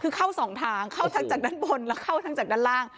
คือเข้าสองทางเข้าทั้งจากด้านบนแล้วเข้าทั้งจากด้านล่าง